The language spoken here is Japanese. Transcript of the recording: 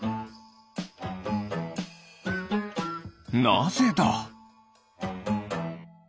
なぜだ？